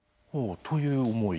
という思い。